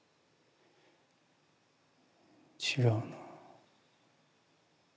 違うな。